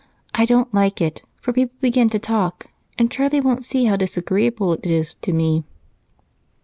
I don't like it, for people begin to talk, and Charlie won't see how disagreeable it is to me."